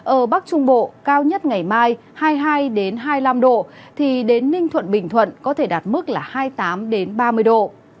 ở bắc trung bộ cao nhất ngày mai hai mươi hai hai mươi năm độ thì đến ninh thuận bình thuận có thể đạt mức là hai mươi tám ba mươi độ